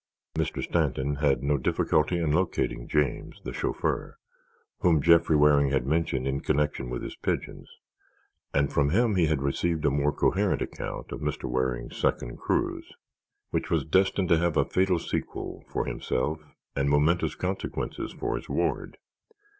Mr. Stanton had had no difficulty in locating James, the chauffeur, whom Jeffrey Waring had mentioned in connection with his pigeons, and from him he had received a more coherent account of Mr. Waring's second cruise, which was destined to have a fatal sequel for himself and momentous consequences for his ward.